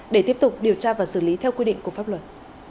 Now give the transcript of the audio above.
để tiếp tục điều tra và xử lý theo quy định của pháp luật